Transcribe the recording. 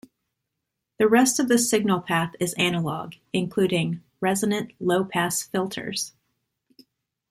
The rest of the signal path is analog, including resonant low-pass filters.